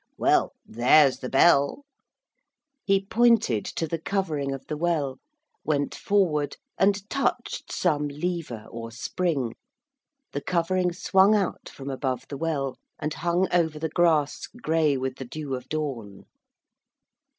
Well, there's the bell!' He pointed to the covering of the well, went forward, and touched some lever or spring. The covering swung out from above the well, and hung over the grass grey with the dew of dawn.